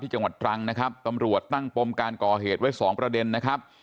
จังหวัดตรังนะครับตำรวจตั้งปมการก่อเหตุไว้สองประเด็นนะครับ